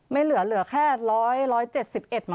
ไม่เหลือเลย